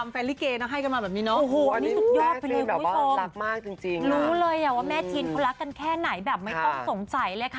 ปกติแล้วแต่แฟนหมอลำแฟนลิเกย์ให้กันมาแบบนี้เนอะ